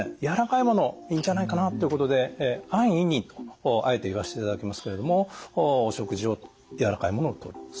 やわらかいものいいんじゃないかなっていうことで安易にとあえて言わせていただきますけれども食事をやわらかいものを取る。